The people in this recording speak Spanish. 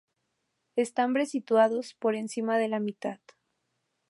Estambres situados por encima de la mitad.